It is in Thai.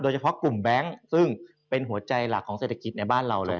เฉพาะกลุ่มแบงค์ซึ่งเป็นหัวใจหลักของเศรษฐกิจในบ้านเราเลย